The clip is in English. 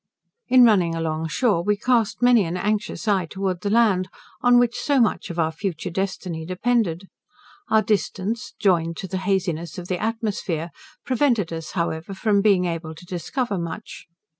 In running along shore, we cast many an anxious eye towards the land, on which so much of our future destiny depended. Our distance, joined to the haziness of the atmosphere, prevented us, however, from being able to discover much.